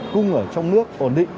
cung ở trong nước ổn định